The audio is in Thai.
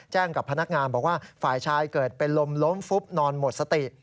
กับพนักงานบอกว่าฝ่ายชายเกิดเป็นลมล้มฟุบนอนหมดสติ